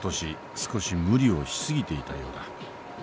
少し無理をし過ぎていたようだ。